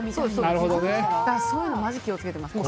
そういうのもマジ気を付けてますね。